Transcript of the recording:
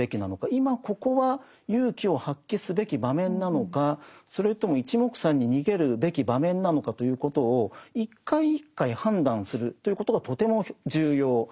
今ここは勇気を発揮すべき場面なのかそれともいちもくさんに逃げるべき場面なのかということを一回一回判断するということがとても重要なわけですね。